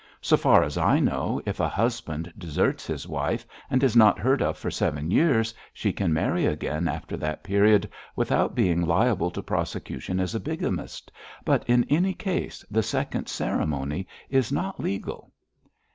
So far as I know, if a husband deserts his wife, and is not heard of for seven years, she can marry again after that period without being liable to prosecution as a bigamist, but in any case the second ceremony is not legal.'